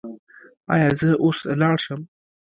ایا زه اوس لاړ شم؟